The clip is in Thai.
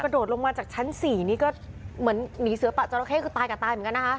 โดดลงมาจากชั้น๔นี่ก็เหมือนหนีเสือปะจราเข้คือตายกับตายเหมือนกันนะคะ